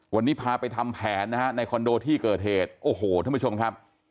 วันนี้พาไปทำแผนนะฮะในคอนโดที่เกิดเหตุโอ้โหท่านผู้ชมครับ